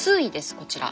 こちら。